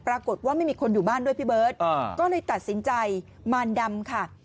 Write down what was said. ปรากฏว่าไม่มีคนอยู่บ้านด้วยพี่เบิร์ตก็เลยตัดสินใจมารดำค่ะ